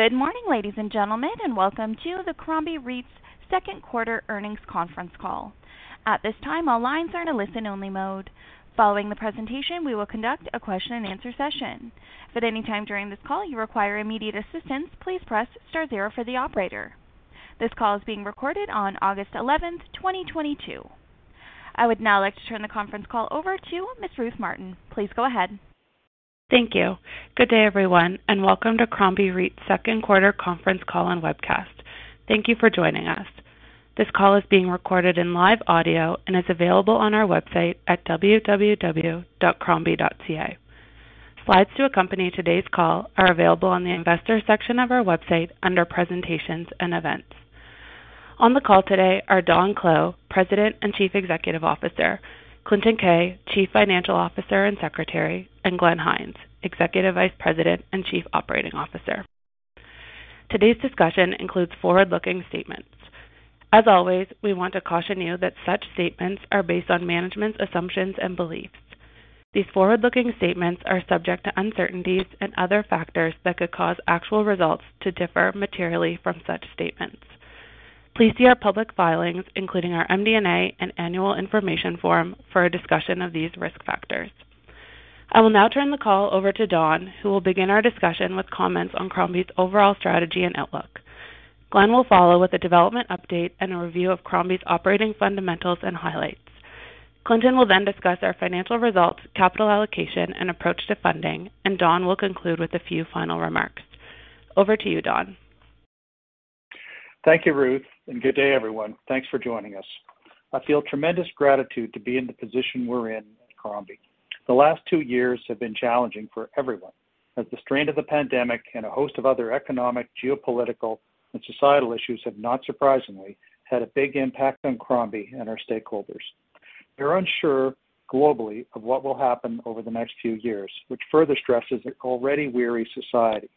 Good morning, ladies and gentlemen, and welcome to the Crombie REIT's second quarter earnings conference call. At this time, all lines are in a listen-only mode. Following the presentation, we will conduct a question-and-answer session. If at any time during this call you require immediate assistance, please press star zero for the operator. This call is being recorded on August eleventh, twenty twenty-two. I would now like to turn the conference call over to Ms. Ruth Martin. Please go ahead. Thank you. Good day, everyone, and welcome to Crombie REIT's second quarter conference call and webcast. Thank you for joining us. This call is being recorded in live audio and is available on our website at www.crombie.ca. Slides to accompany today's call are available on the investor section of our website under presentations and events. On the call today are Don Clow, President and Chief Executive Officer, Clinton Keay, Chief Financial Officer and Secretary, and Glenn Hynes, Executive Vice President and Chief Operating Officer. Today's discussion includes forward-looking statements. As always, we want to caution you that such statements are based on management's assumptions and beliefs. These forward-looking statements are subject to uncertainties and other factors that could cause actual results to differ materially from such statements. Please see our public filings, including our MD&A and annual information form, for a discussion of these risk factors. I will now turn the call over to Don, who will begin our discussion with comments on Crombie's overall strategy and outlook. Glenn will follow with a development update and a review of Crombie's operating fundamentals and highlights. Clinton will then discuss our financial results, capital allocation, and approach to funding, and Don will conclude with a few final remarks. Over to you, Don. Thank you, Ruth, and good day, everyone. Thanks for joining us. I feel tremendous gratitude to be in the position we're in at Crombie. The last two years have been challenging for everyone, as the strain of the pandemic and a host of other economic, geopolitical, and societal issues have, not surprisingly, had a big impact on Crombie and our stakeholders. We are unsure globally of what will happen over the next few years, which further stresses an already weary society.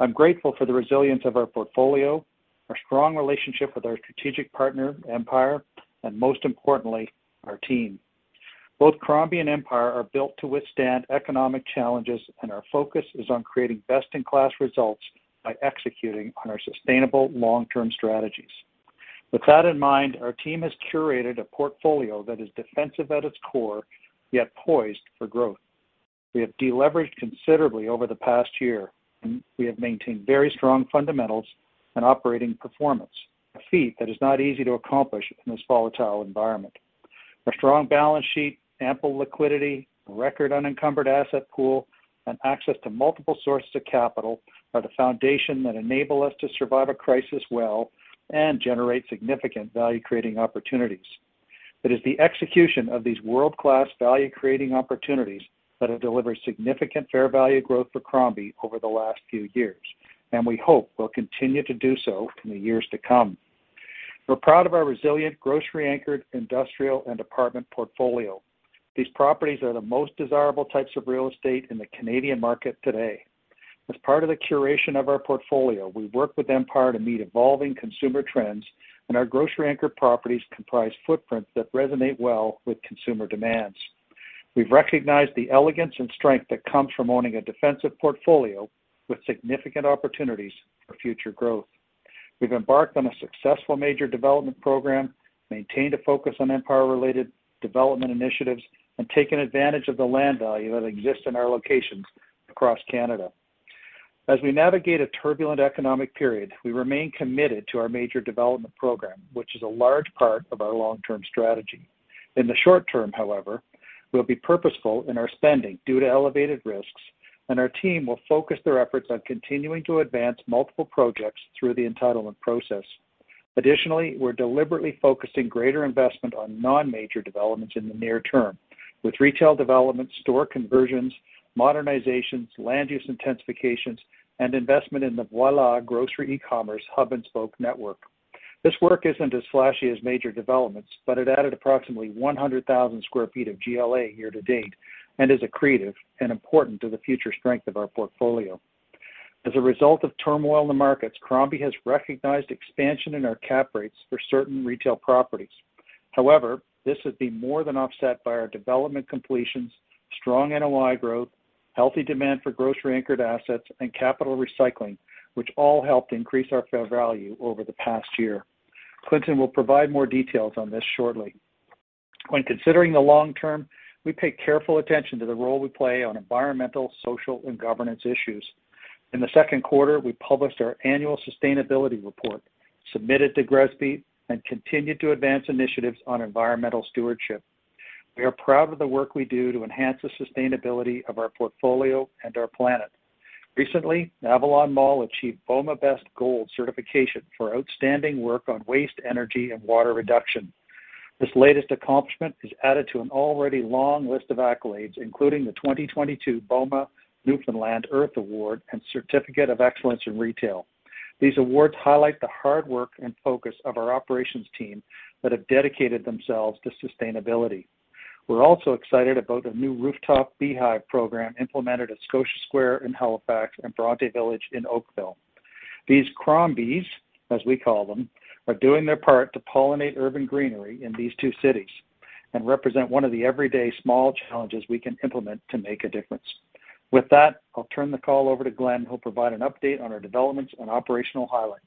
I'm grateful for the resilience of our portfolio, our strong relationship with our strategic partner, Empire, and most importantly, our team. Both Crombie and Empire are built to withstand economic challenges, and our focus is on creating best-in-class results by executing on our sustainable long-term strategies. With that in mind, our team has curated a portfolio that is defensive at its core, yet poised for growth. We have de-leveraged considerably over the past year, and we have maintained very strong fundamentals and operating performance, a feat that is not easy to accomplish in this volatile environment. Our strong balance sheet, ample liquidity, record unencumbered asset pool, and access to multiple sources of capital are the foundation that enable us to survive a crisis well and generate significant value-creating opportunities. It is the execution of these world-class value-creating opportunities that have delivered significant fair value growth for Crombie over the last few years, and we hope will continue to do so in the years to come. We're proud of our resilient grocery-anchored industrial and apartment portfolio. These properties are the most desirable types of real estate in the Canadian market today. As part of the curation of our portfolio, we've worked with Empire to meet evolving consumer trends, and our grocery-anchored properties comprise footprints that resonate well with consumer demands. We've recognized the elegance and strength that comes from owning a defensive portfolio with significant opportunities for future growth. We've embarked on a successful major development program, maintained a focus on Empire-related development initiatives, and taken advantage of the land value that exists in our locations across Canada. As we navigate a turbulent economic period, we remain committed to our major development program, which is a large part of our long-term strategy. In the short term, however, we'll be purposeful in our spending due to elevated risks, and our team will focus their efforts on continuing to advance multiple projects through the entitlement process. Additionally, we're deliberately focusing greater investment on non-major developments in the near term with retail development, store conversions, modernizations, land use intensifications, and investment in the Voilà grocery e-commerce hub-and-spoke network. This work isn't as flashy as major developments, but it added approximately 100,000 sq ft of GLA year to date and is accretive and important to the future strength of our portfolio. As a result of turmoil in the markets, Crombie has recognized expansion in our cap rates for certain retail properties. However, this has been more than offset by our development completions, strong NOI growth, healthy demand for grocery-anchored assets, and capital recycling, which all helped increase our fair value over the past year. Clinton will provide more details on this shortly. When considering the long term, we pay careful attention to the role we play on environmental, social, and governance issues. In the second quarter, we published our annual sustainability report, submitted to GRESB, and continued to advance initiatives on environmental stewardship. We are proud of the work we do to enhance the sustainability of our portfolio and our planet. Recently, Avalon Mall achieved BOMA BEST Gold certification for outstanding work on waste, energy, and water reduction. This latest accomplishment is added to an already long list of accolades, including the 2022 BOMA Newfoundland Earth Award and Certificate of Excellence in Retail. These awards highlight the hard work and focus of our operations team that have dedicated themselves to sustainability. We're also excited about a new rooftop beehive program implemented at Scotia Square in Halifax and Bronte Village in Oakville. These Crombees, as we call them, are doing their part to pollinate urban greenery in these two cities and represent one of the everyday small challenges we can implement to make a difference. With that, I'll turn the call over to Glenn, who'll provide an update on our developments and operational highlights.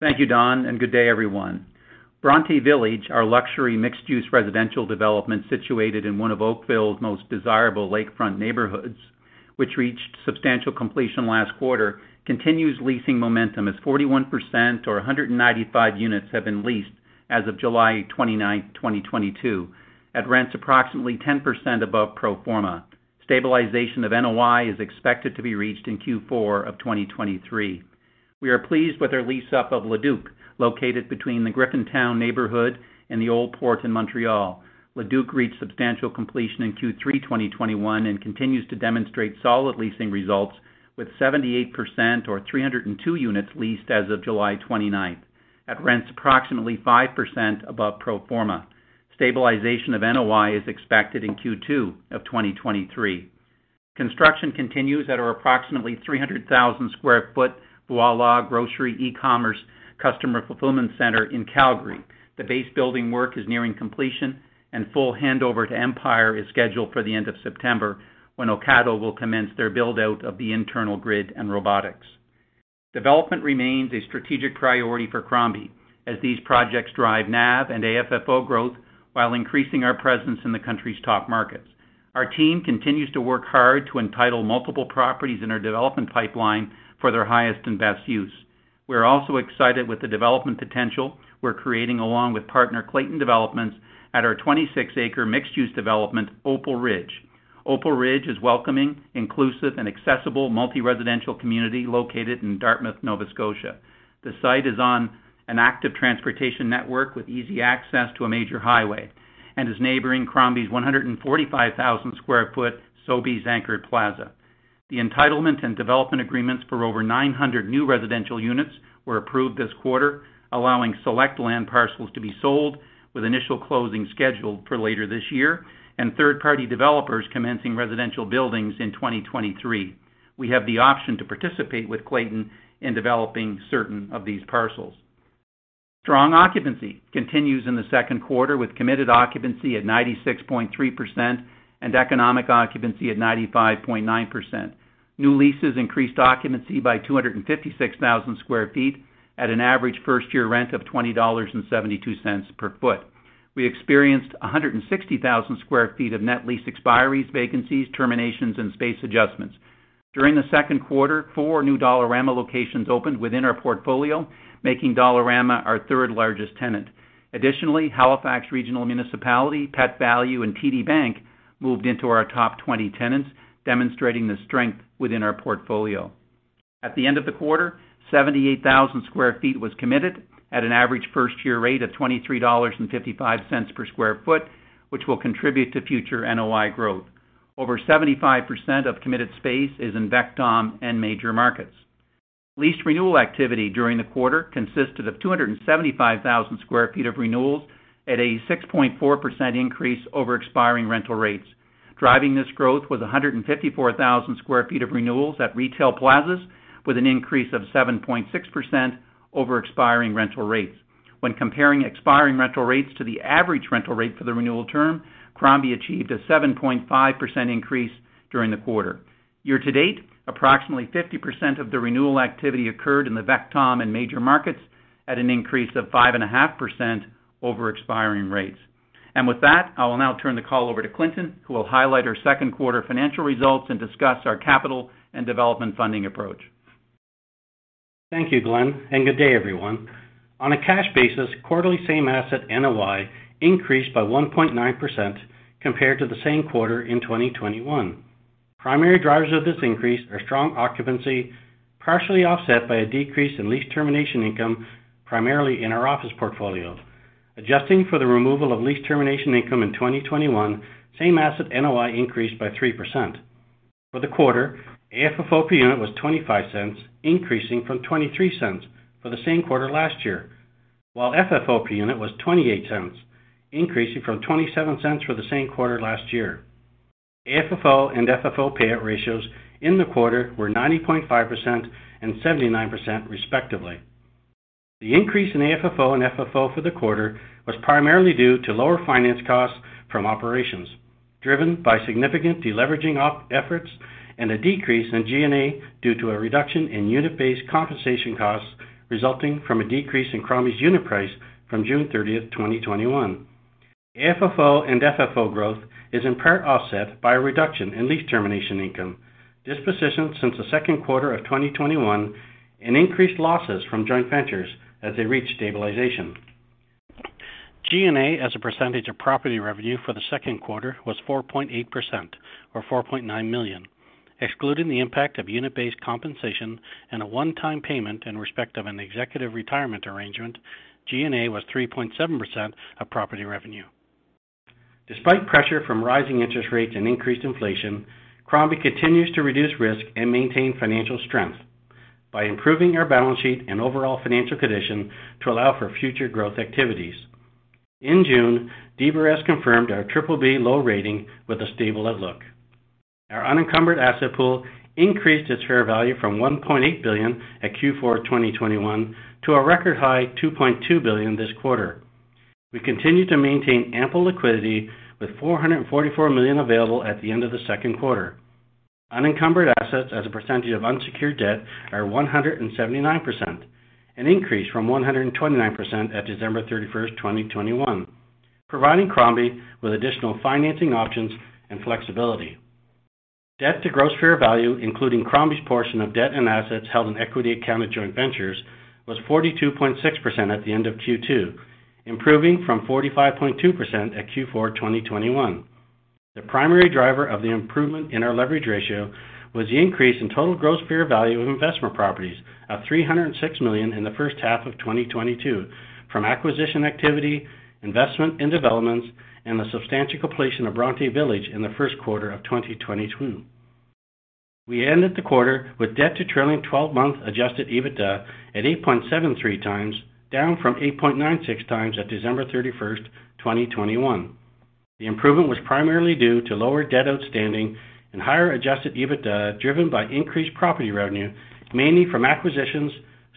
Thank you, Don, and good day everyone. Bronte Village, our luxury mixed-use residential development situated in one of Oakville's most desirable lakefront neighborhoods, which reached substantial completion last quarter, continues leasing momentum as 41% or 195 units have been leased as of July twenty-ninth, 2022, at rents approximately 10% above pro forma. Stabilization of NOI is expected to be reached in Q4 of 2023. We are pleased with our lease-up of Leduc, located between the Griffintown neighborhood and the Old Port in Montreal. Leduc reached substantial completion in Q3 2021 and continues to demonstrate solid leasing results with 78% or 302 units leased as of July twenty-ninth, at rents approximately 5% above pro forma. Stabilization of NOI is expected in Q2 of 2023. Construction continues at our approximately 300,000 sq ft Voilà grocery e-commerce customer fulfillment center in Calgary. The base building work is nearing completion and full handover to Empire is scheduled for the end of September when Ocado will commence their build-out of the internal grid and robotics. Development remains a strategic priority for Crombie as these projects drive NAV and AFFO growth while increasing our presence in the country's top markets. Our team continues to work hard to entitle multiple properties in our development pipeline for their highest and best use. We're also excited with the development potential we're creating along with partner Clayton Developments at our 26-acre mixed-use development, Opal Ridge. Opal Ridge is welcoming, inclusive, and accessible multi-residential community located in Dartmouth, Nova Scotia. The site is on an active transportation network with easy access to a major highway and is neighboring Crombie's 145,000 sq ft Sobeys anchored plaza. The entitlement and development agreements for over 900 new residential units were approved this quarter, allowing select land parcels to be sold with initial closing scheduled for later this year and third-party developers commencing residential buildings in 2023. We have the option to participate with Clayton in developing certain of these parcels. Strong occupancy continues in the second quarter with committed occupancy at 96.3% and economic occupancy at 95.9%. New leases increased occupancy by 256,000 sq ft at an average first-year rent of 20.72 dollars per sq ft. We experienced 160,000 sq ft of net lease expiries, vacancies, terminations, and space adjustments. During the second quarter, four new Dollarama locations opened within our portfolio, making Dollarama our third largest tenant. Additionally, Halifax Regional Municipality, Pet Valu and TD Bank moved into our top 20 tenants, demonstrating the strength within our portfolio. At the end of the quarter, 78,000 sq ft was committed at an average first-year rate of 23.55 dollars per sq ft, which will contribute to future NOI growth. Over 75% of committed space is in VECTOM and major markets. Lease renewal activity during the quarter consisted of 275,000 sq ft of renewals at a 6.4% increase over expiring rental rates. Driving this growth was 154,000 sq ft of renewals at retail plazas with an increase of 7.6% over expiring rental rates. When comparing expiring rental rates to the average rental rate for the renewal term, Crombie achieved a 7.5% increase during the quarter. Year to date, approximately 50% of the renewal activity occurred in the VECTOM in major markets at an increase of 5.5% over expiring rates. With that, I will now turn the call over to Clinton, who will highlight our second quarter financial results and discuss our capital and development funding approach. Thank you, Glenn, and good day, everyone. On a cash basis, quarterly same asset NOI increased by 1.9% compared to the same quarter in 2021. Primary drivers of this increase are strong occupancy, partially offset by a decrease in lease termination income, primarily in our office portfolio. Adjusting for the removal of lease termination income in 2021, same asset NOI increased by 3%. For the quarter, AFFO per unit was 0.25, increasing from 0.23 for the same quarter last year, while FFO per unit was 0.28, increasing from 0.27 for the same quarter last year. AFFO and FFO payout ratios in the quarter were 90.5% and 79%, respectively. The increase in AFFO and FFO for the quarter was primarily due to lower finance costs from operations, driven by significant deleveraging efforts and a decrease in G&A due to a reduction in unit-based compensation costs resulting from a decrease in Crombie's unit price from June 30, 2021. AFFO and FFO growth is in part offset by a reduction in lease termination income. This position, since the second quarter of 2021, an increase in losses from joint ventures as they reach stabilization. G&A, as a percentage of property revenue for the second quarter, was 4.8% or 4.9 million. Excluding the impact of unit-based compensation and a one-time payment in respect of an executive retirement arrangement, G&A was 3.7% of property revenue. Despite pressure from rising interest rates and increased inflation, Crombie continues to reduce risk and maintain financial strength by improving our balance sheet and overall financial condition to allow for future growth activities. In June, DBRS confirmed our triple B low rating with a stable outlook. Our unencumbered asset pool increased its fair value from 1.8 billion at Q4 2021 to a record high 2.2 billion this quarter. We continue to maintain ample liquidity with 444 million available at the end of the second quarter. Unencumbered assets as a percentage of unsecured debt are 179%, an increase from 129% at December 31st, 2021, providing Crombie with additional financing options and flexibility. Debt to gross fair value, including Crombie's portion of debt and assets held in equity accounted joint ventures, was 42.6% at the end of Q2, improving from 45.2% at Q4 2021. The primary driver of the improvement in our leverage ratio was the increase in total gross fair value of investment properties of 306 million in the first half of 2022 from acquisition activity, investment in developments, and the substantial completion of Bronte Village in the first quarter of 2022. We ended the quarter with debt to trailing 12-months adjusted EBITDA at 8.73x, down from 8.96x at December 31st, 2021. The improvement was primarily due to lower debt outstanding and higher adjusted EBITDA, driven by increased property revenue, mainly from acquisitions,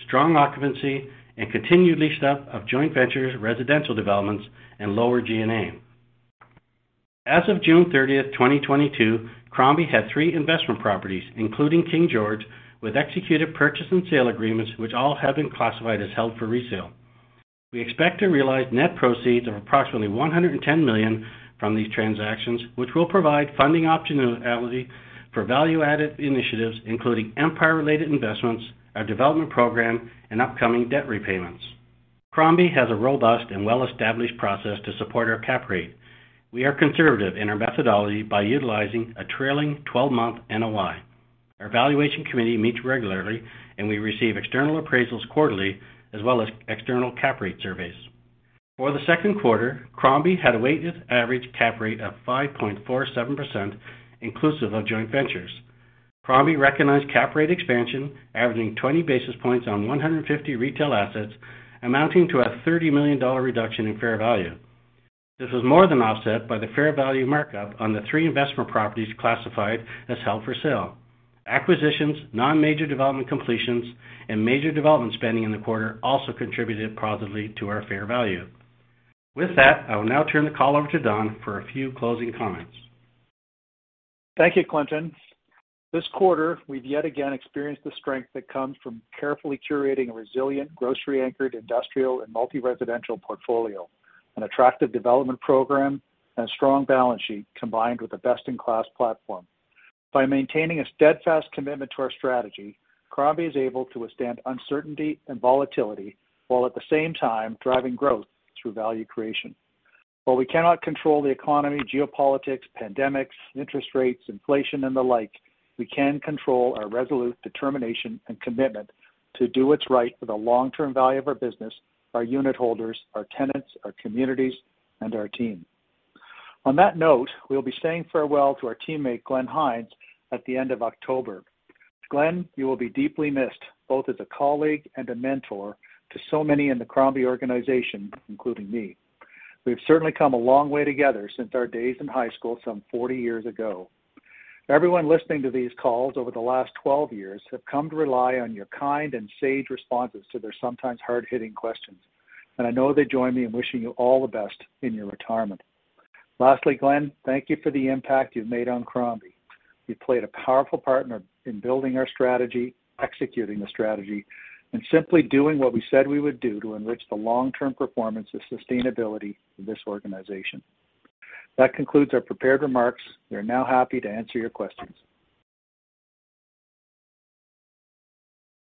strong occupancy, and continued lease up of joint ventures, residential developments, and lower G&A. As of June 30th, 2022, Crombie had three investment properties, including King George, with executed purchase and sale agreements, which all have been classified as held for resale. We expect to realize net proceeds of approximately 110 million from these transactions, which will provide funding opportunity for value-added initiatives, including Empire-related investments, our development program, and upcoming debt repayments. Crombie has a robust and well-established process to support our cap rate. We are conservative in our methodology by utilizing a trailing twelve-month NOI. Our valuation committee meets regularly, and we receive external appraisals quarterly, as well as external cap rate surveys. For the second quarter, Crombie had a weighted average cap rate of 5.47% inclusive of joint ventures. Crombie recognized cap rate expansion averaging 20 basis points on 150 retail assets, amounting to a 30 million dollar reduction in fair value. This was more than offset by the fair value markup on the three investment properties classified as held for sale. Acquisitions, non-major development completions, and major development spending in the quarter also contributed positively to our fair value. With that, I will now turn the call over to Don for a few closing comments. Thank you, Clinton. This quarter, we've yet again experienced the strength that comes from carefully curating a resilient grocery-anchored industrial and multi-residential portfolio, an attractive development program, and a strong balance sheet, combined with a best-in-class platform. By maintaining a steadfast commitment to our strategy, Crombie is able to withstand uncertainty and volatility, while at the same time driving growth through value creation. While we cannot control the economy, geopolitics, pandemics, interest rates, inflation, and the like, we can control our resolute determination and commitment to do what's right for the long-term value of our business, our unit holders, our tenants, our communities, and our team. On that note, we'll be saying farewell to our teammate, Glenn Hynes, at the end of October. Glenn, you will be deeply missed, both as a colleague and a mentor to so many in the Crombie organization, including me. We've certainly come a long way together since our days in high school some 40 years ago. Everyone listening to these calls over the last 12 years have come to rely on your kind and sage responses to their sometimes hard-hitting questions, and I know they join me in wishing you all the best in your retirement. Lastly, Glenn, thank you for the impact you've made on Crombie. You played a powerful partner in building our strategy, executing the strategy, and simply doing what we said we would do to enrich the long-term performance and sustainability of this organization. That concludes our prepared remarks. We are now happy to answer your questions.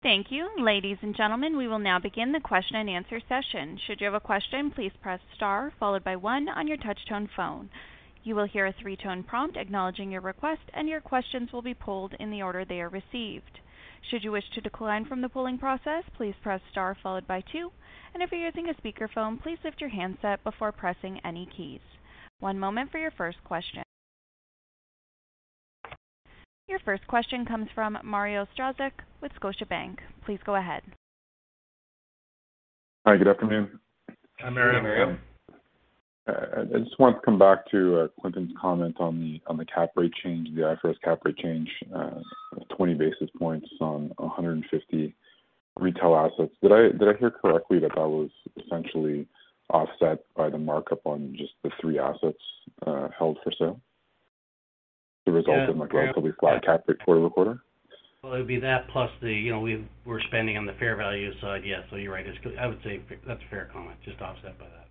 Thank you. Ladies and gentlemen, we will now begin the question and answer session. Should you have a question, please press star followed by one on your touch tone phone. You will hear a three-tone prompt acknowledging your request, and your questions will be pulled in the order they are received. Should you wish to decline from the polling process, please press star followed by two. If you're using a speakerphone, please lift your handset before pressing any keys. One moment for your first question. Your first question comes from Mario Saric with Scotiabank. Please go ahead. Hi, good afternoon. Hi, Mario. I just want to come back to Clinton's comment on the cap rate change, the IFRS cap rate change, of 20 basis points on 150 retail assets. Did I hear correctly that that was essentially offset by the markup on just the three assets held for sale? The result is like roughly flat cap rate quarter-over-quarter. Well, it would be that plus the, you know, we're spending on the fair value side. Yes. You're right. It's. I would say that's a fair comment, just offset by that.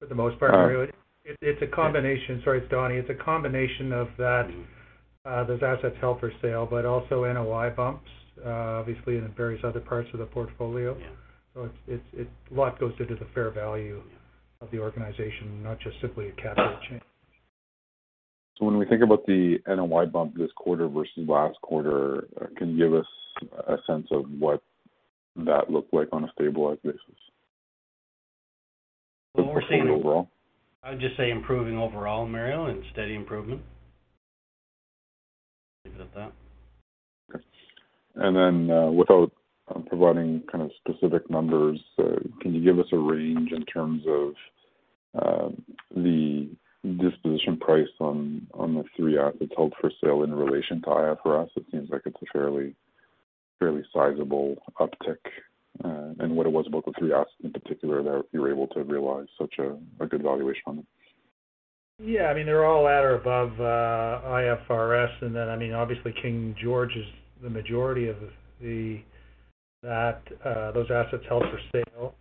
For the most part, Mario. All right. Sorry, it's Donny. It's a combination of that, those assets held for sale, but also NOI bumps, obviously in the various other parts of the portfolio. Yeah. It's a lot goes into the fair value. Yeah. of the organization, not just simply a capital change. When we think about the NOI bump this quarter versus last quarter, can you give us a sense of what that looked like on a stabilized basis? Overall. I would just say improving overall, Mario, and steady improvement. Leave it at that. Without providing kind of specific numbers, can you give us a range in terms of the disposition price on the three assets held for sale in relation to IFRS? It seems like it's a fairly sizable uptick than what it was about the three assets in particular that you were able to realize such a good valuation on them. Yeah. I mean, they're all at or above IFRS. Then, I mean, obviously King George is the majority of those assets held for sale.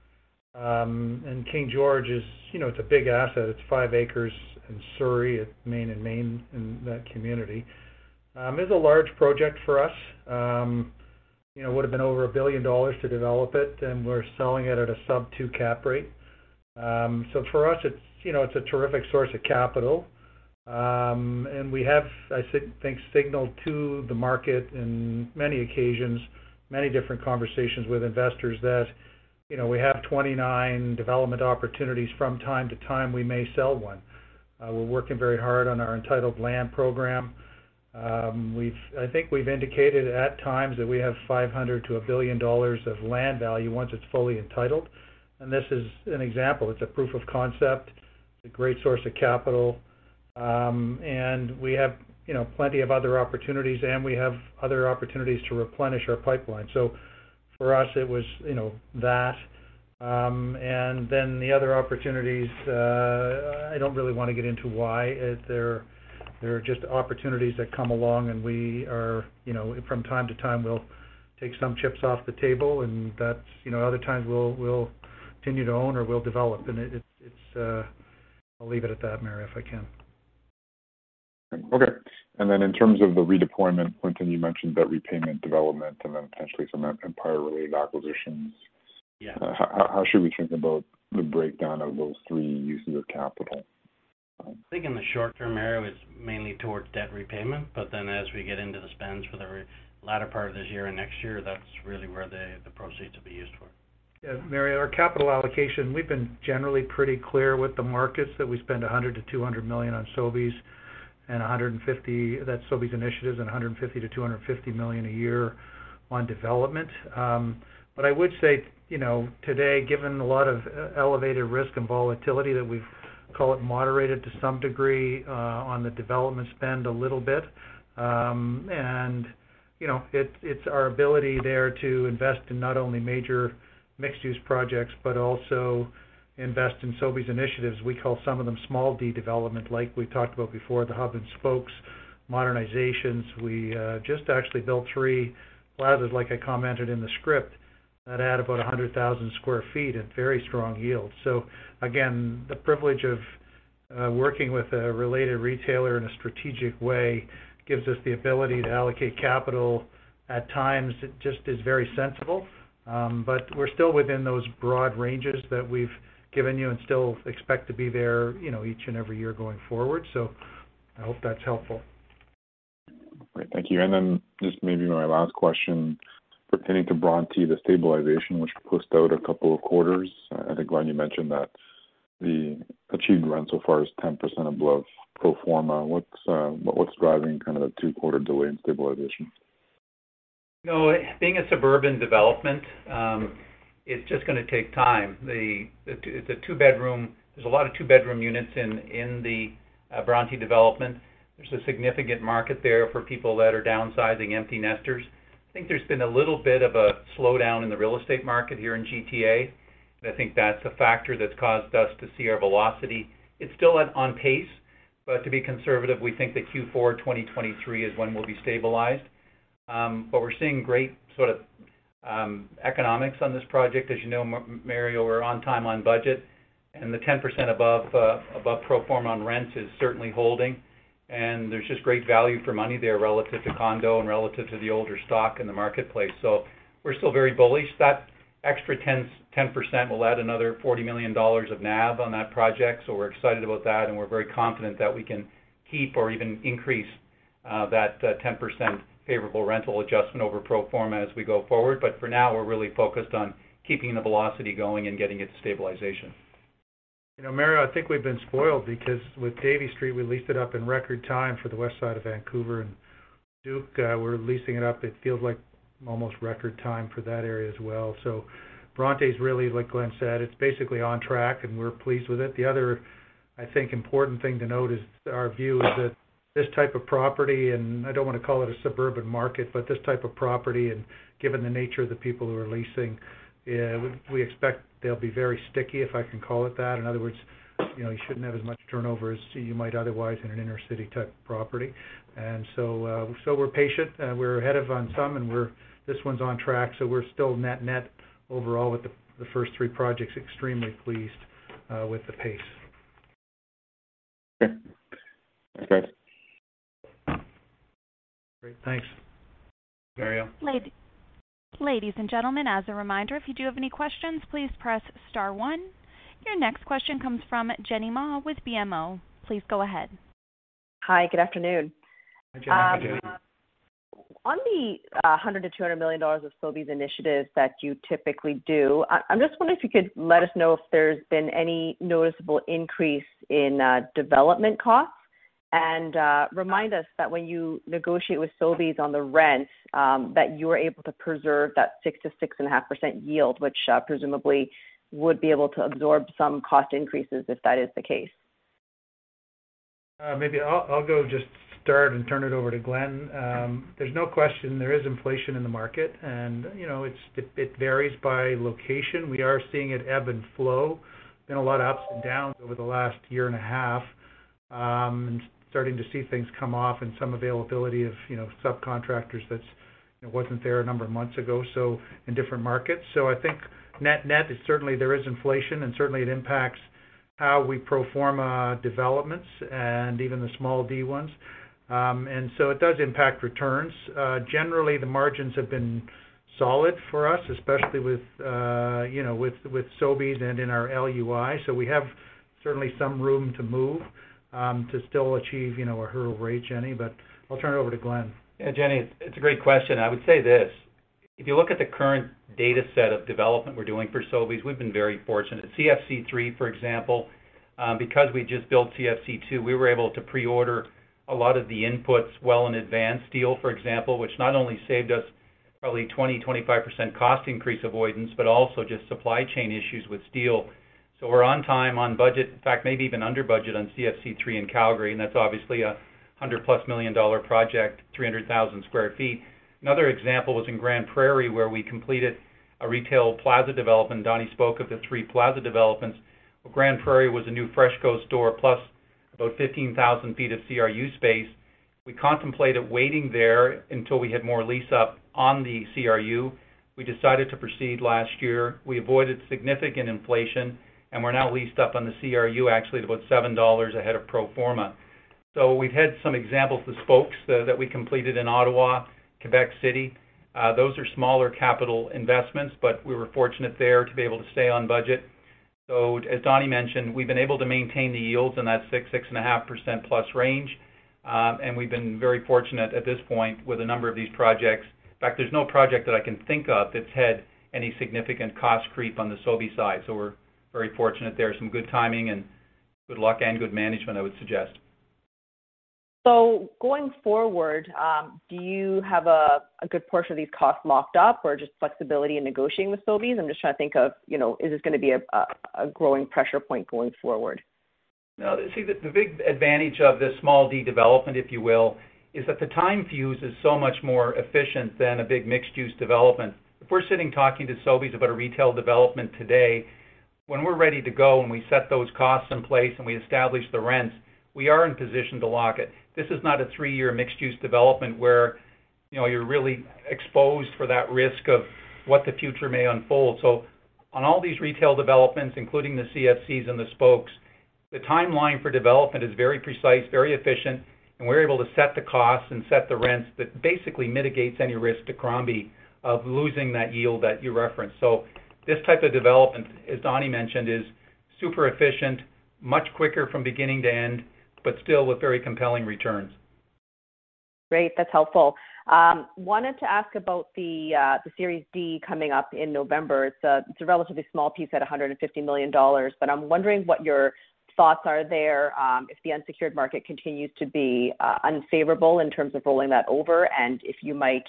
King George is, you know, it's a big asset. It's 5 acres in Surrey at Main and Main in that community. It's a large project for us. You know, would have been over 1 billion dollars to develop it, and we're selling it at a sub-2% cap rate. So for us it's, you know, it's a terrific source of capital. We have, I think signaled to the market in many occasions, many different conversations with investors that, you know, we have 29 development opportunities. From time to time, we may sell one. We're working very hard on our entitled land program. I think we've indicated at times that we have 500 million-1 billion dollars of land value once it's fully entitled, and this is an example, it's a proof of concept. It's a great source of capital. We have, you know, plenty of other opportunities, and we have other opportunities to replenish our pipeline. For us, it was, you know, that. Then the other opportunities, I don't really wanna get into why. They're just opportunities that come along, and we are, you know, from time to time, we'll take some chips off the table and that's, you know, other times we'll continue to own or we'll develop. It's, I'll leave it at that, Mario, if I can. Okay. In terms of the redeployment, Clinton, you mentioned debt repayment, development, and then potentially some Empire-related acquisitions. Yeah. How should we think about the breakdown of those three uses of capital? I think in the short term, Mario, is mainly towards debt repayment. As we get into the spends for the latter part of this year and next year, that's really where the proceeds will be used for. Mario, our capital allocation, we've been generally pretty clear with the markets that we spend 100-200 million on Sobeys initiatives and 150-250 million a year on development. But I would say, you know, today, given a lot of elevated risk and volatility that we've moderated to some degree on the development spend a little bit. You know, it's our ability there to invest in not only major mixed-use projects, but also invest in Sobeys initiatives. We call some of them small D development, like we've talked about before, the hub and spokes modernizations. We just actually built three plazas, like I commented in the script, that add about 100,000 sq ft at very strong yields. Again, the privilege of working with a related retailer in a strategic way gives us the ability to allocate capital. At times, it just is very sensible. We're still within those broad ranges that we've given you and still expect to be there, you know, each and every year going forward. I hope that's helpful. Great. Thank you. Then just maybe my last question pertaining to Bronte, the stabilization, which pushed out a couple of quarters. I think, Glenn, you mentioned that the achieved rent so far is 10% above pro forma. What's driving kind of the two-quarter delay in stabilization? You know, being a suburban development, it's just gonna take time. It's a two-bedroom. There's a lot of two-bedroom units in the Bronte development. There's a significant market there for people that are downsizing, empty nesters. I think there's been a little bit of a slowdown in the real estate market here in GTA, and I think that's a factor that's caused us to see our velocity. It's still on pace, but to be conservative, we think that Q4 2023 is when we'll be stabilized. We're seeing great sort of economics on this project. As you know, Mario, we're on time, on budget, and the 10% above pro forma on rents is certainly holding, and there's just great value for money there relative to condo and relative to the older stock in the marketplace. We're still very bullish. That extra 10% will add another 40 million dollars of NAV on that project. We're excited about that, and we're very confident that we can keep or even increase that 10% favorable rental adjustment over pro forma as we go forward. We're really focused on keeping the velocity going and getting it to stabilization. You know, Mario, I think we've been spoiled because with Davie Street, we leased it up in record time for the west side of Vancouver. Leduc, we're leasing it up, it feels like almost record time for that area as well. Bronte is really like Glenn said, it's basically on track, and we're pleased with it. The other, I think, important thing to note is our view is that this type of property, and I don't wanna call it a suburban market, but this type of property and given the nature of the people who are leasing, we expect they'll be very sticky, if I can call it that. In other words, you know, you shouldn't have as much turnover as you might otherwise in an inner-city-type property. We're patient, we're ahead of on some and we're pleased. This one' s on track, so we're still net net overall with the first three projects, extremely pleased with the pace. Okay. Thanks, guys. Great. Thanks. Mario. Ladies and gentlemen, as a reminder, if you do have any questions, please press Star One. Your next question comes from Jenny Ma with BMO. Please go ahead. Hi. Good afternoon. Hi, Jenny. How are you doing? On the 100-200 million dollars of Sobeys initiatives that you typically do, I'm just wondering if you could let us know if there's been any noticeable increase in development costs, and remind us that when you negotiate with Sobeys on the rents, that you are able to preserve that 6%-6.5% yield, which presumably would be able to absorb some cost increases if that is the case. Maybe I'll just start and turn it over to Glenn. There's no question there is inflation in the market, and, you know, it's, it varies by location. We are seeing it ebb and flow. Been a lot of ups and downs over the last year and a half. Starting to see things come off and some availability of, you know, subcontractors that's, you know, wasn't there a number of months ago, so in different markets. I think net-net there is certainly inflation, and certainly it impacts how we pro forma developments and even the small D ones. It does impact returns. Generally the margins have been solid for us, especially with, you know, with Sobeys and in our LUI. We have certainly some room to move, to still achieve, you know, a hurdle rate, Jenny, but I'll turn it over to Glenn. Yeah, Jenny, it's a great question. I would say this, if you look at the current data set of development we're doing for Sobeys, we've been very fortunate. At CFC three, for example, because we just built CFC two, we were able to pre-order a lot of the inputs well in advance. Steel, for example, which not only saved us probably 20-25% cost increase avoidance, but also just supply chain issues with steel. We're on time, on budget, in fact, maybe even under budget on CFC three in Calgary, and that's obviously a 100+ million dollar project, 300,000 sq ft. Another example was in Grande Prairie, where we completed a retail plaza development. Donny spoke of the three plaza developments. Well, Grande Prairie was a new FreshCo store, plus about 15,000 sq ft of CRU space. We contemplated waiting there until we had more lease up on the CRU. We decided to proceed last year. We avoided significant inflation, and we're now leased up on the CRU actually at about CAD seven ahead of pro forma. We've had some examples with Spokes that we completed in Ottawa, Quebec City. Those are smaller capital investments, but we were fortunate there to be able to stay on budget. As Donny mentioned, we've been able to maintain the yields in that 6%-6.5%+ range. And we've been very fortunate at this point with a number of these projects. In fact, there's no project that I can think of that's had any significant cost creep on the Sobeys side. We're very fortunate there. Some good timing and good luck and good management, I would suggest. Going forward, do you have a good portion of these costs locked up or just flexibility in negotiating with Sobeys? I'm just trying to think of is this gonna be a growing pressure point going forward? No. See the big advantage of the small D development, if you will, is that the timeline is so much more efficient than a big mixed-use development. If we're sitting talking to Sobeys about a retail development today, when we're ready to go and we set those costs in place and we establish the rents, we are in position to lock it. This is not a three-year mixed-use development where, you know, you're really exposed for that risk of what the future may unfold. On all these retail developments, including the CFCs and the Spokes, the timeline for development is very precise, very efficient, and we're able to set the costs and set the rents. That basically mitigates any risk to Crombie of losing that yield that you referenced. This type of development, as Don Clow mentioned, is super efficient, much quicker from beginning to end, but still with very compelling returns. Great. That's helpful. Wanted to ask about the Series D coming up in November. It's a relatively small piece at 150 million dollars, but I'm wondering what your thoughts are there, if the unsecured market continues to be unfavorable in terms of rolling that over and if you might,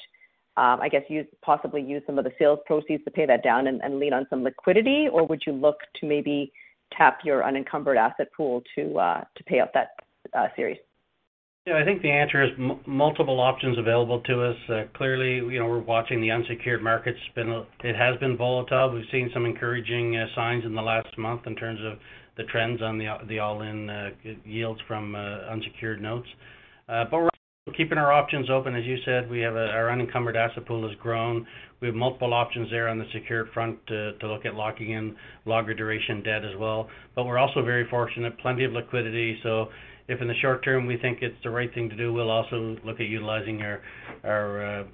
I guess, possibly use some of the sales proceeds to pay that down and lean on some liquidity, or would you look to maybe tap your unencumbered asset pool to pay off that Series D? Yeah, I think the answer is multiple options available to us. Clearly, you know, we're watching the unsecured markets. It has been volatile. We've seen some encouraging signs in the last month in terms of the trends on the all-in yields from unsecured notes. We're keeping our options open. As you said, our unencumbered asset pool has grown. We have multiple options there on the secured front to look at locking in longer duration debt as well. We're also very fortunate, plenty of liquidity. If in the short term we think it's the right thing to do, we'll also look at utilizing our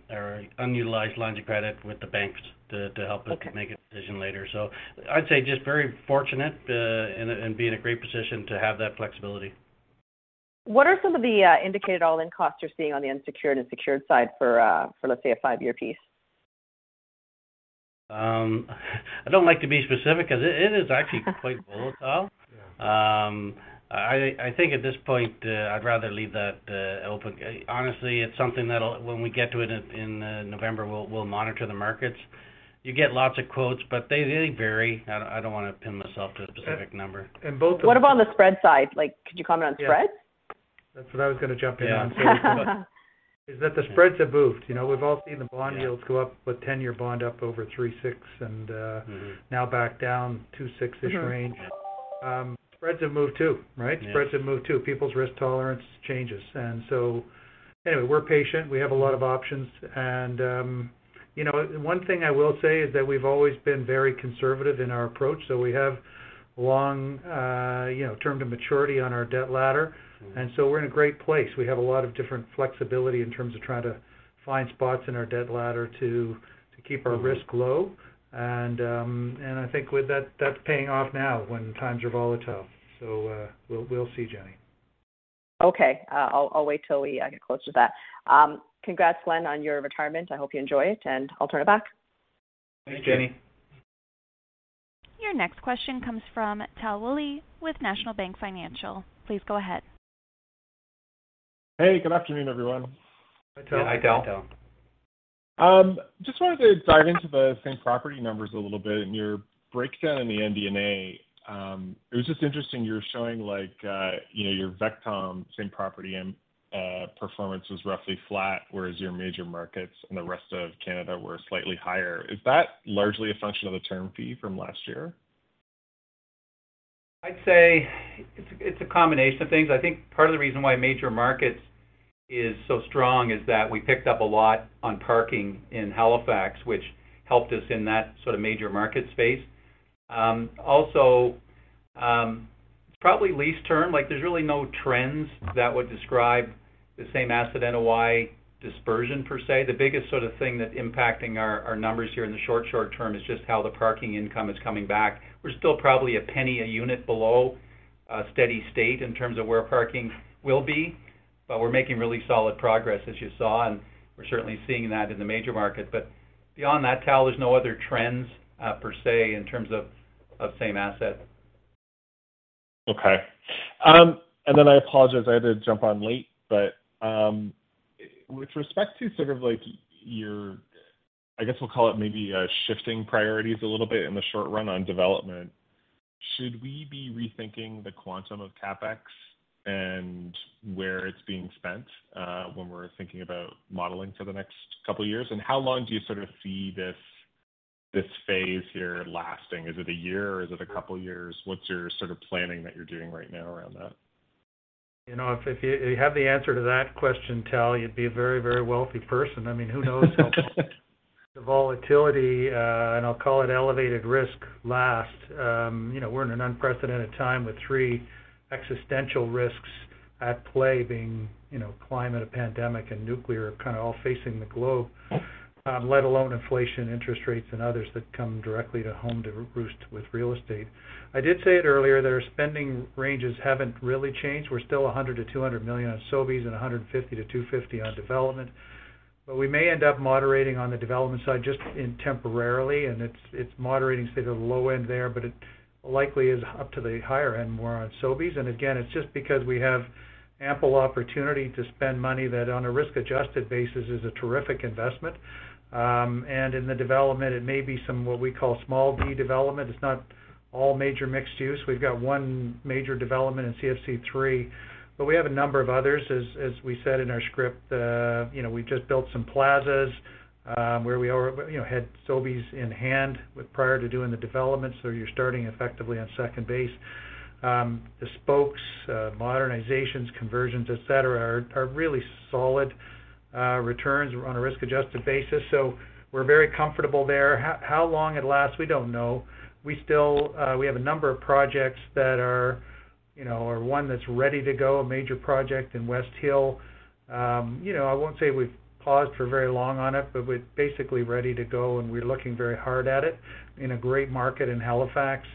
unutilized lines of credit with the banks to help us. Okay. Make a decision later. I'd say just very fortunate, and be in a great position to have that flexibility. What are some of the indicated all-in costs you're seeing on the unsecured and secured side for, let's say, a five-year piece? I don't like to be specific 'cause it is actually quite volatile. Yeah. I think at this point, I'd rather leave that open. Honestly, it's something that'll, when we get to it in November, we'll monitor the markets. You get lots of quotes, but they vary. I don't wanna pin myself to a specific number. And, and both- What about on the spread side? Like, could you comment on spreads? Yeah. That's what I was gonna jump in on. Yeah. Is that the spreads have moved. You know, we've all seen the bond yields go up with 10-year bond up over 3.6% and. Mm-hmm. Now back down 2.6-ish range. Spreads have moved too, right? Yeah. Spreads have moved too. People's risk tolerance changes. Anyway, we're patient. We have a lot of options. You know, one thing I will say is that we've always been very conservative in our approach. We have long, you know, term to maturity on our debt ladder. We're in a great place. We have a lot of different flexibility in terms of trying to find spots in our debt ladder to keep our risk low. I think with that's paying off now when times are volatile. We'll see, Jenny. Okay. I'll wait till we get close to that. Congrats, Glenn, on your retirement. I hope you enjoy it, and I'll turn it back. Thanks, Jenny. Your next question comes from Tal Woolley with National Bank Financial. Please go ahead. Hey, good afternoon, everyone. Hi, Tal. Just wanted to dive into the same property numbers a little bit. In your breakdown in the MD&A, it was just interesting, you were showing like, you know, your VECTOM same property and performance was roughly flat, whereas your major markets in the rest of Canada were slightly higher. Is that largely a function of the term fee from last year? I'd say it's a combination of things. I think part of the reason why major markets is so strong is that we picked up a lot on parking in Halifax, which helped us in that sort of major market space. Also, probably lease term, like, there's really no trends that would describe the same asset NOI dispersion per se. The biggest sort of thing that's impacting our numbers here in the short term is just how the parking income is coming back. We're still probably CAD 0.01 a unit below steady state in terms of where parking will be, but we're making really solid progress, as you saw, and we're certainly seeing that in the major market. Beyond that, Tal, there's no other trends per se in terms of same asset. Okay. I apologize, I had to jump on late. With respect to sort of like your, I guess we'll call it maybe, shifting priorities a little bit in the short run on development, should we be rethinking the quantum of CapEx and where it's being spent, when we're thinking about modeling for the next couple of years? How long do you sort of see this phase here lasting? Is it a year, or is it a couple of years? What's your sort of planning that you're doing right now around that? You know, if you have the answer to that question, Tal, you'd be a very wealthy person. I mean, who knows how long the volatility and I'll call it elevated risk lasts. You know, we're in an unprecedented time with three existential risks at play being, you know, climate, a pandemic, and nuclear kind of all facing the globe, let alone inflation, interest rates, and others that come home to roost with real estate. I did say it earlier that our spending ranges haven't really changed. We're still 100 million-200 million on Sobeys and 150 million-250 million on development. We may end up moderating on the development side just temporarily, and it's moderating sort of low end there, but it likely is up to the higher end more on Sobeys. Again, it's just because we have ample opportunity to spend money that on a risk-adjusted basis is a terrific investment. In the development, it may be some what we call small D development. It's not all major mixed use. We've got one major development in CFC three, but we have a number of others. As we said in our script, you know, we've just built some plazas, where we you know, had Sobeys in hand prior to doing the development. So you're starting effectively on second base. The spokes, modernizations, conversions, et cetera, are really solid returns on a risk-adjusted basis. So we're very comfortable there. How long it lasts, we don't know. We still have a number of projects that are, you know, or one that's ready to go, a major project in West Hill. You know, I won't say we've paused for very long on it, but we're basically ready to go, and we're looking very hard at it in a great market in Halifax.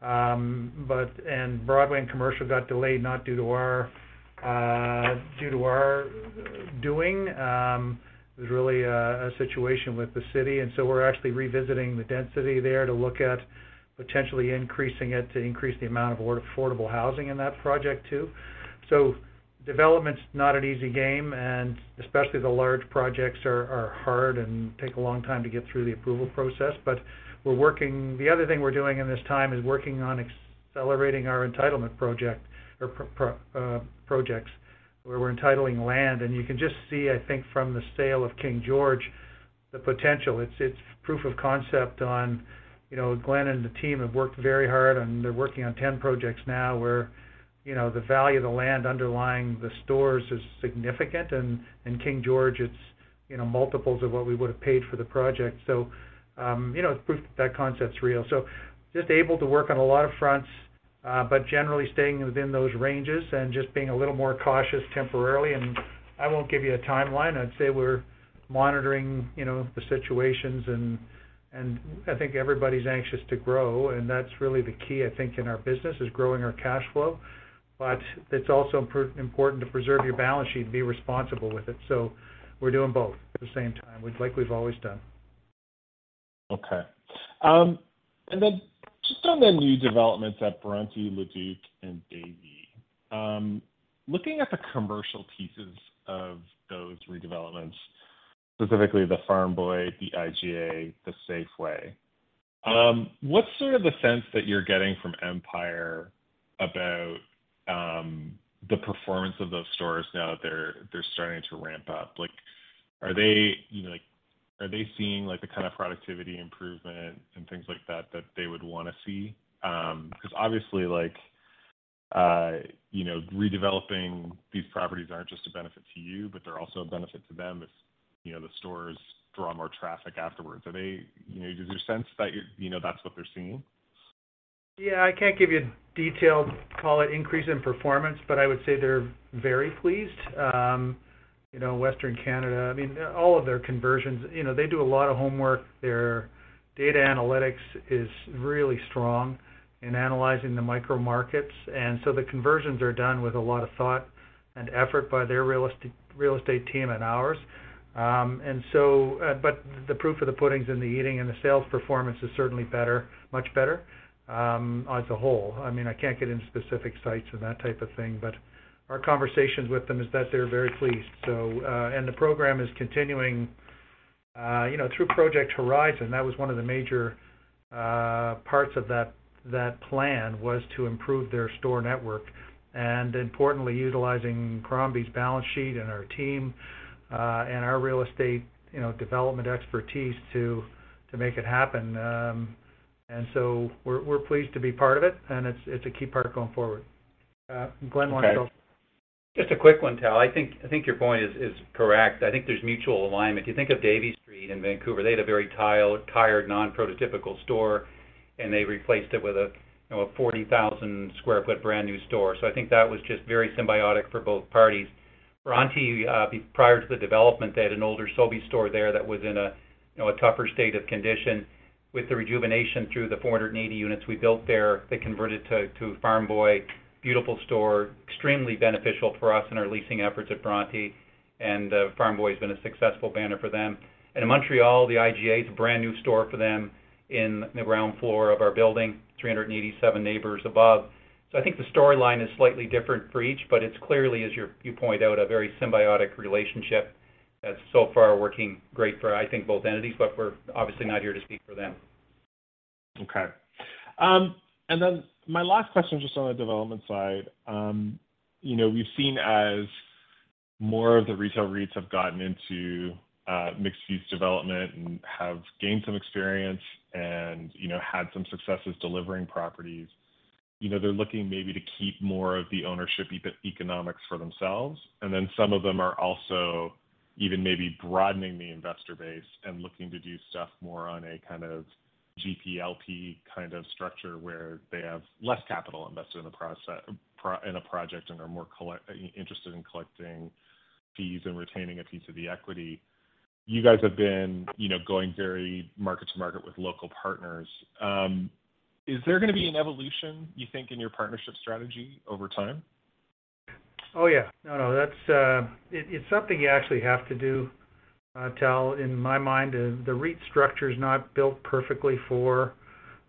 Broadway and Commercial got delayed not due to our doing. It was really a situation with the city, and so we're actually revisiting the density there to look at potentially increasing it to increase the amount of affordable housing in that project too. Development's not an easy game, and especially the large projects are hard and take a long time to get through the approval process. We're working. The other thing we're doing in this time is working on accelerating our entitlement project or projects, where we're entitling land. You can just see, I think from the sale of King George, the potential. It's proof of concept on, you know, Glenn and the team have worked very hard and they're working on 10 projects now where, you know, the value of the land underlying the stores is significant. In King George, it's, you know, multiples of what we would have paid for the project. You know, it's proof that that concept's real. Just able to work on a lot of fronts, but generally staying within those ranges and just being a little more cautious temporarily. I won't give you a timeline. I'd say we're monitoring, you know, the situations and I think everybody's anxious to grow. That's really the key, I think, in our business, is growing our cash flow. It's also important to preserve your balance sheet and be responsible with it. We're doing both at the same time, like we've always done. Okay. Just on the new developments at Bronte, Leduc, and Davie. Looking at the commercial pieces of those redevelopments, specifically the Farm Boy, the IGA, the Safeway, what's sort of the sense that you're getting from Empire about the performance of those stores now that they're starting to ramp up? Like, are they seeing, like, the kind of productivity improvement and things like that they would wanna see? 'Cause obviously like, you know, redeveloping these properties aren't just a benefit to you, but they're also a benefit to them if, you know, the stores draw more traffic afterwards. Are they, you know? Do you sense that, you know, that's what they're seeing? Yeah. I can't give you detailed, call it increase in performance, but I would say they're very pleased. You know, Western Canada, I mean, all of their conversions, you know, they do a lot of homework. Their data analytics is really strong in analyzing the micro markets, and so the conversions are done with a lot of thought and effort by their real estate team and ours. But the proof of the pudding's in the eating and the sales performance is certainly better, much better, as a whole. I mean, I can't get into specific sites and that type of thing, but our conversations with them is that they're very pleased. The program is continuing, you know, through Project Horizon, that was one of the major parts of that plan was to improve their store network and importantly, utilizing Crombie's balance sheet and our team and our real estate, you know, development expertise to make it happen. We're pleased to be part of it, and it's a key part going forward. Glenn, why don't you- Okay. Just a quick one, Tal. I think your point is correct. I think there's mutual alignment. You think of Davie Street in Vancouver, they had a very tired, non-prototypical store, and they replaced it with a, you know, a 40,000 sq ft brand new store. I think that was just very symbiotic for both parties. Bronte, prior to the development, they had an older Sobeys store there that was in a, you know, a tougher state of condition. With the rejuvenation through the 480 units we built there, they converted to Farm Boy. Beautiful store. Extremely beneficial for us in our leasing efforts at Bronte. Farm Boy's been a successful banner for them. In Montreal, the IGA's a brand new store for them in the ground floor of our building, 387 neighbors above. I think the storyline is slightly different for each, but it's clearly, as you point out, a very symbiotic relationship that's so far working great for, I think, both entities, but we're obviously not here to speak for them. Okay. Then my last question, just on the development side. You know, we've seen as more of the retail REITs have gotten into, mixed-use development and have gained some experience and, you know, had some successes delivering properties. You know, they're looking maybe to keep more of the ownership economics for themselves. Some of them are also even maybe broadening the investor base and looking to do stuff more on a kind of GP-LP kind of structure where they have less capital invested in a project and are more interested in collecting fees and retaining a piece of the equity. You guys have been, you know, going very market to market with local partners. Is there gonna be an evolution, you think, in your partnership strategy over time? Oh, yeah. No, that's something you actually have to do, Tal. In my mind, the REIT structure is not built perfectly for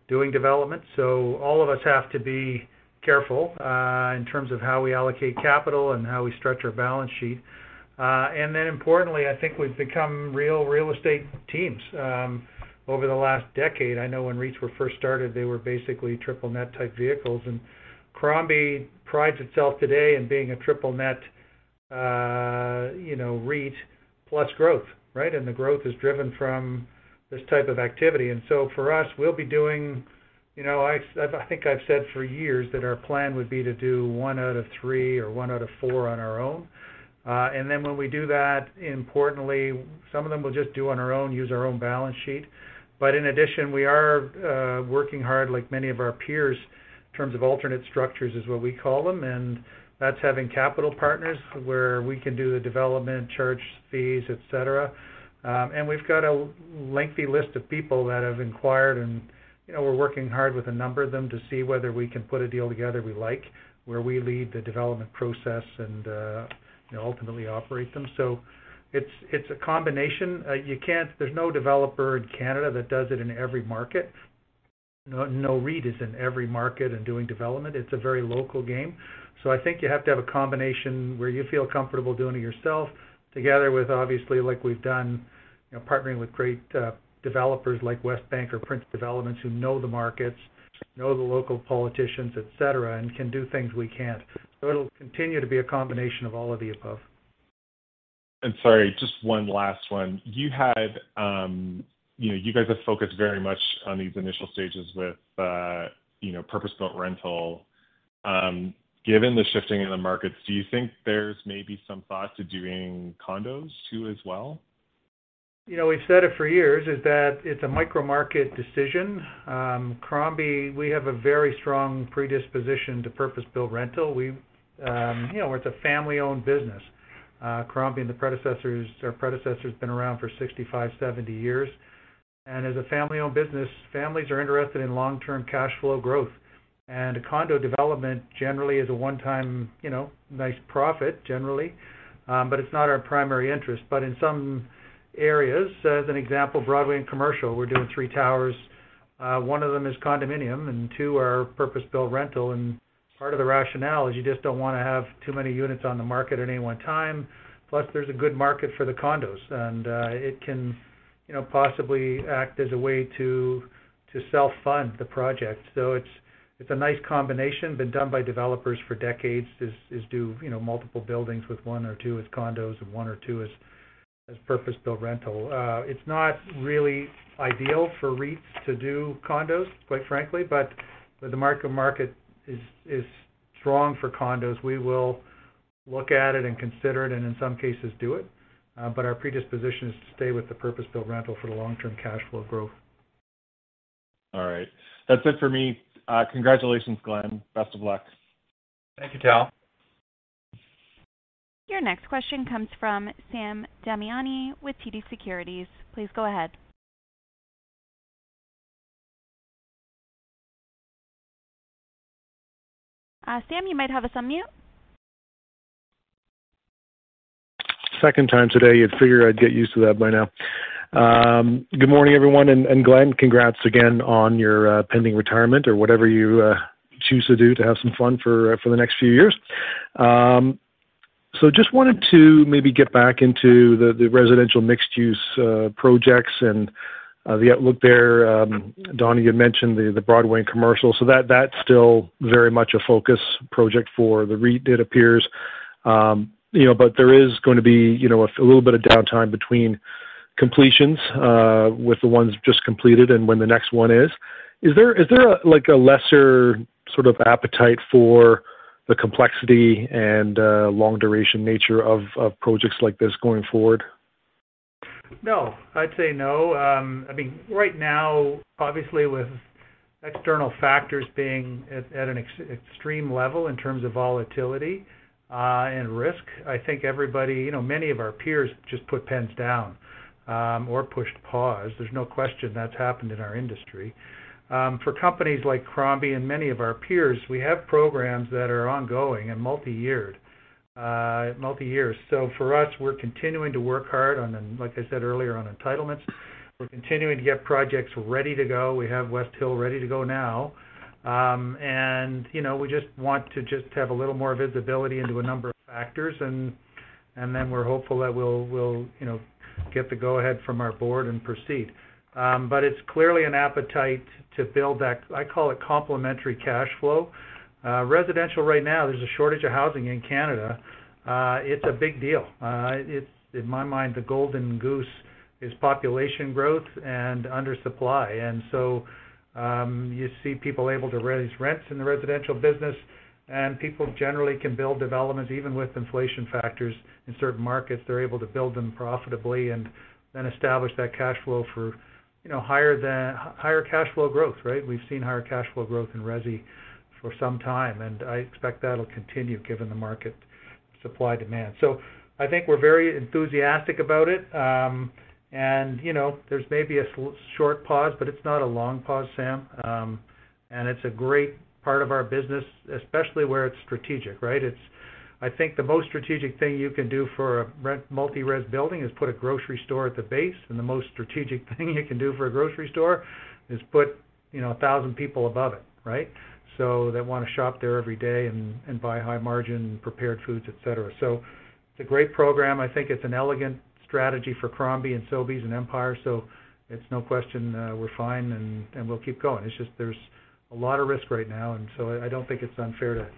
doing development. All of us have to be careful in terms of how we allocate capital and how we stretch our balance sheet. Then importantly, I think we've become real estate teams over the last decade. I know when REITs were first started, they were basically triple net type vehicles. Crombie prides itself today in being a triple net REIT plus growth, right? The growth is driven from this type of activity. For us, we'll be doing. You know, I think I've said for years that our plan would be to do one out of three or one out of four on our own. When we do that, importantly, some of them we'll just do on our own, use our own balance sheet. In addition, we are working hard like many of our peers in terms of alternate structures, is what we call them, and that's having capital partners where we can do the development, charge fees, et cetera. We've got a lengthy list of people that have inquired and, you know, we're working hard with a number of them to see whether we can put a deal together we like, where we lead the development process and, you know, ultimately operate them. It's a combination. There's no developer in Canada that does it in every market. No REIT is in every market and doing development. It's a very local game. I think you have to have a combination where you feel comfortable doing it yourself together with obviously, like we've done, you know, partnering with great, developers like Westbank or Prince Developments, who know the markets, know the local politicians, et cetera, and can do things we can't. It'll continue to be a combination of all of the above. Sorry, just one last one. You had, you know, you guys have focused very much on these initial stages with, you know, purpose-built rental. Given the shifting in the markets, do you think there's maybe some thought to doing condos too as well? You know, we've said it for years, is that it's a micro-market decision. Crombie, we have a very strong predisposition to purpose-built rental. You know, it's a family-owned business. Crombie and our predecessors been around for 65 years, 70 years. As a family-owned business, families are interested in long-term cash flow growth. A condo development generally is a one-time, you know, nice profit, generally. It's not our primary interest. In some areas, as an example, Broadway and Commercial, we're doing 3 towers. One of them is condominium and two are purpose-built rental. Part of the rationale is you just don't wanna have too many units on the market at any one time. Plus, there's a good market for the condos, and it can, you know, possibly act as a way to self-fund the project. It's a nice combination. Been done by developers for decades, do you know, multiple buildings with one or two as condos and one or two as purpose-built rental. It's not really ideal for REITs to do condos, quite frankly, but where the micro-market is strong for condos, we will look at it and consider it and in some cases do it. Our predisposition is to stay with the purpose-built rental for the long-term cash flow growth. All right. That's it for me. Congratulations, Glenn. Best of luck. Thank you, Tal. Your next question comes from Sam Damiani with TD Securities. Please go ahead. Sam, you might have us on mute. Second time today. You'd figure I'd get used to that by now. Good morning, everyone. Glenn, congrats again on your pending retirement or whatever you choose to do to have some fun for the next few years. Just wanted to maybe get back into the residential mixed-use projects and the outlook there. Don Clow, you had mentioned the Broadway and Commercial, so that's still very much a focus project for the REIT, it appears. You know, but there is gonna be a little bit of downtime between completions with the ones just completed and when the next one is. Is there like a lesser sort of appetite for the complexity and long duration nature of projects like this going forward? No. I'd say no. I mean, right now, obviously, with external factors being at an extreme level in terms of volatility and risk, I think everybody, you know, many of our peers just put pens down or pushed pause. There's no question that's happened in our industry. For companies like Crombie and many of our peers, we have programs that are ongoing and multi-year. For us, we're continuing to work hard on, like I said earlier, on entitlements. We're continuing to get projects ready to go. We have West Hill ready to go now. You know, we just want to have a little more visibility into a number of factors and then we're hopeful that we'll, you know, get the go-ahead from our board and proceed. It's clearly an appetite to build that, I call it complementary cash flow. Residential right now, there's a shortage of housing in Canada. It's a big deal. It's, in my mind, the golden goose is population growth and under supply. You see people able to raise rents in the residential business, and people generally can build developments even with inflation factors. In certain markets, they're able to build them profitably and then establish that cash flow for, you know, higher cash flow growth, right? We've seen higher cash flow growth in resi for some time, and I expect that'll continue given the market supply-demand. I think we're very enthusiastic about it. You know, there's maybe a short pause, but it's not a long pause, Sam. It's a great part of our business, especially where it's strategic, right? I think the most strategic thing you can do for a rent multi-res building is put a grocery store at the base, and the most strategic thing you can do for a grocery store is put, you know, 1,000 people above it, right? They wanna shop there every day and buy high-margin prepared foods, et cetera. It's a great program. I think it's an elegant strategy for Crombie and Sobeys and Empire. It's no question we're fine and we'll keep going. There's a lot of risk right now. I don't think it's unfair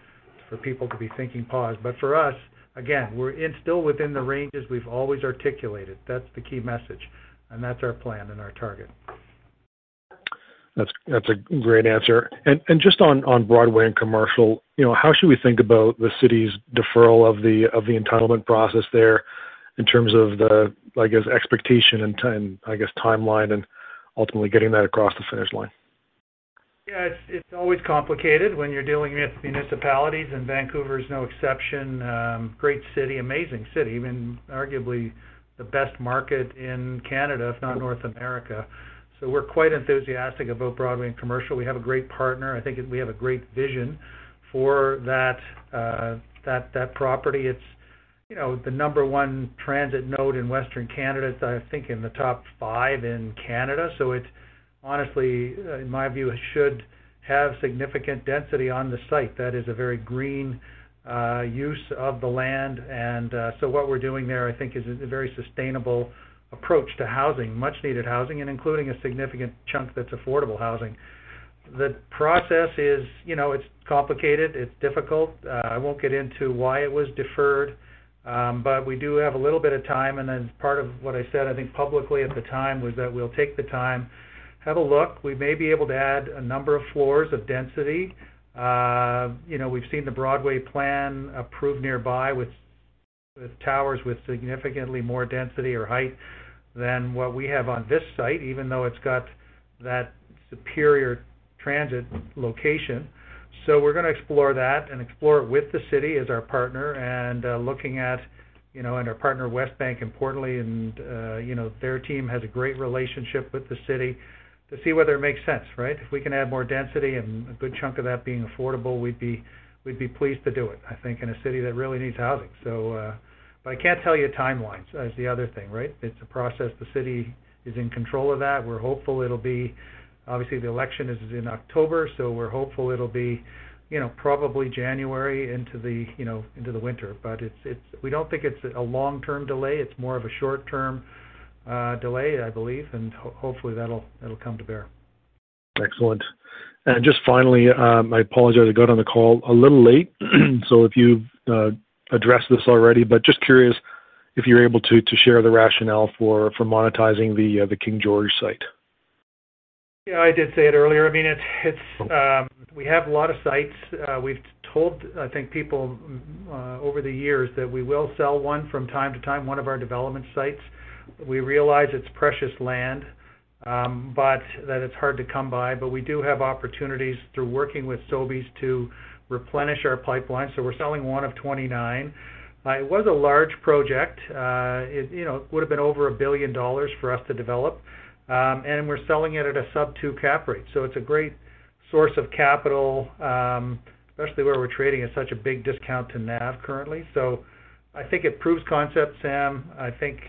for people to be thinking pause. For us, again, we're still within the ranges we've always articulated. That's the key message, and that's our plan and our target. That's a great answer. Just on Broadway and Commercial, you know, how should we think about the city's deferral of the entitlement process there in terms of the, I guess, expectation and time, I guess, timeline and ultimately getting that across the finish line? Yeah. It's always complicated when you're dealing with municipalities, and Vancouver is no exception. Great city, amazing city, even arguably the best market in Canada, if not North America. We're quite enthusiastic about Broadway and Commercial. We have a great partner. I think we have a great vision for that property. It's, you know, the number one transit node in Western Canada. It's, I think, in the top five in Canada. It honestly, in my view, should have significant density on the site. That is a very green use of the land. What we're doing there, I think, is a very sustainable approach to housing, much needed housing, and including a significant chunk that's affordable housing. The process is, you know, it's complicated. It's difficult. I won't get into why it was deferred, but we do have a little bit of time. Then part of what I said, I think publicly at the time was that we'll take the time, have a look. We may be able to add a number of floors of density. You know, we've seen the Broadway Plan approved nearby with towers with significantly more density or height than what we have on this site, even though it's got that superior transit location. We're gonna explore that and explore it with the city as our partner, and looking at, you know, and our partner, Westbank, importantly, and you know, their team has a great relationship with the city to see whether it makes sense, right? If we can add more density and a good chunk of that being affordable, we'd be pleased to do it, I think, in a city that really needs housing. I can't tell you timelines. That's the other thing, right? It's a process. The city is in control of that. We're hopeful it'll be. Obviously, the election is in October, so we're hopeful it'll be, you know, probably January into the, you know, into the winter. We don't think it's a long-term delay. It's more of a short-term delay, I believe. Hopefully, that'll come to bear. Excellent. Just finally, I apologize. I got on the call a little late, so if you've addressed this already. Just curious if you're able to share the rationale for monetizing the King George site. Yeah, I did say it earlier. I mean, it's. We have a lot of sites. We've told, I think people over the years that we will sell one from time to time, one of our development sites. We realize it's precious land, but that it's hard to come by. We do have opportunities through working with Sobeys to replenish our pipeline. We're selling one of 29. It was a large project. It, you know, would have been over 1 billion dollars for us to develop. We're selling it at a sub-2% cap rate. It's a great source of capital, especially where we're trading at such a big discount to NAV currently. I think it proves concept, Sam. I think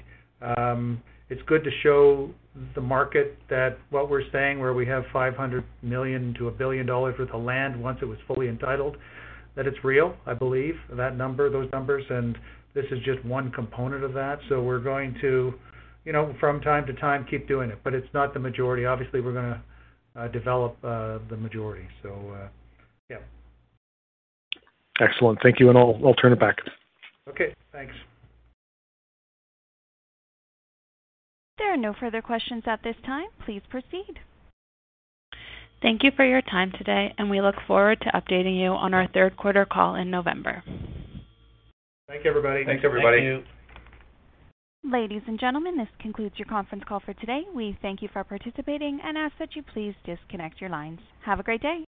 it's good to show the market that what we're saying, where we have 500 million-1 billion dollars worth of land once it was fully entitled, that it's real. I believe that number, those numbers. This is just one component of that. We're going to, you know, from time to time, keep doing it. It's not the majority. Obviously, we're gonna develop the majority. Yeah. Excellent. Thank you. I'll turn it back. Okay. Thanks. There are no further questions at this time. Please proceed. Thank you for your time today, and we look forward to updating you on our third quarter call in November. Thank you, everybody. Thanks, everybody. Thank you. Ladies and gentlemen, this concludes your conference call for today. We thank you for participating and ask that you please disconnect your lines. Have a great day.